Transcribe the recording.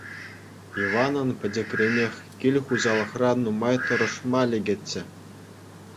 Иванӑн пӗчӗкренех кил хуҫалӑхра нумай тӑрмашма лекетчӗ.